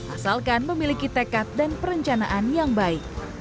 asalkan memiliki tekad dan perencanaan yang baik